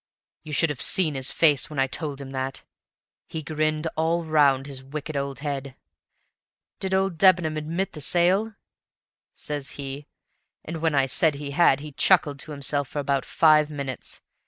You should have seen his face when I told him that! He grinned all round his wicked old head. 'Did OLD Debenham admit the sale?' says he; and when I said he had he chuckled to himself for about five minutes.